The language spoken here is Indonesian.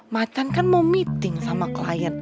macan kan mau meeting sama klien